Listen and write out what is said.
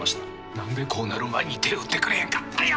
何でこうなる前に手打ってくれんかったんや。